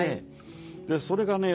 それがね